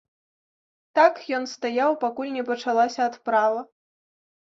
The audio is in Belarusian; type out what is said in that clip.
Так ён стаяў, пакуль не пачалася адправа.